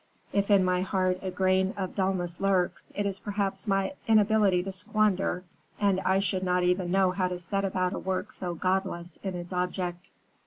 If in my heart a grain of dulness lurks, it is perhaps my inability to squander, and I should not even know how to set about a work so godless in its object.'